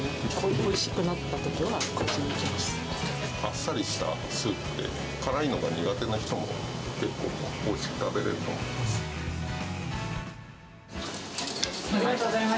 恋しくなったときは、ここに来まあっさりしたスープで、辛いのが苦手な人も結構おいしく食べれると思います。